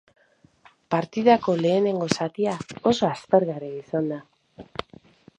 Partidako lehenengo zatia oso aspergarria izan da.